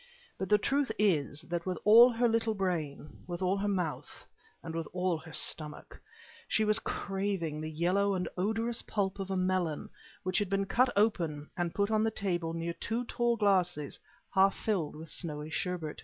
But the truth is that with all her little brain, with all her mouth, and with all her stomach, she was craving the yellow and odorous pulp of a melon which had been cut open and put on the table near two tall glasses half filled with snowy sherbet.